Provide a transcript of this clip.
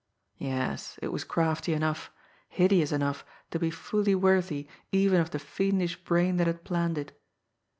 Yes, it was crafty enough, hideous enough to be fully worthy even of the fiendish brain that had planned it!